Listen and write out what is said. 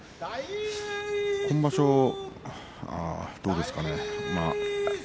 今場所、どうですかね